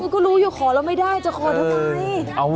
ก็รู้อยู่ขอแล้วไม่ได้จะขอทำไม